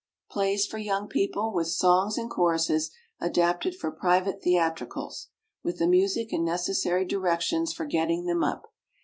=PLAYS FOR YOUNG PEOPLE=, with Songs and Choruses, adapted for Private Theatricals. With the Music and necessary directions for getting them up.